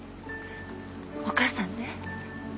お母さんね